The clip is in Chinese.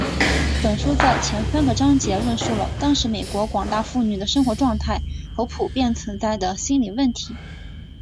本书在前三个章节论述了当时美国广大妇女的生活状态和普遍存在的心理问题。